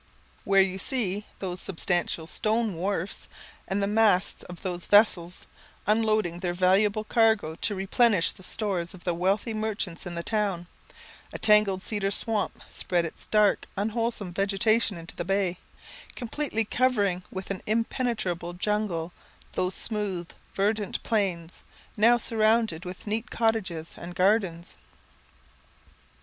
Where you see those substantial stone wharfs, and the masts of those vessels, unloading their valuable cargoes to replenish the stores of the wealthy merchants in the town, a tangled cedar swamp spread its dark, unwholesome vegetation into the bay, completely covering with an impenetrable jungle those smooth verdant plains, now surrounded with neat cottages and gardens.